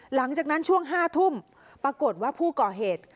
หลังจากนั้นช่วง๕ทุ่มปรากฏว่าผู้ก่อเหตุ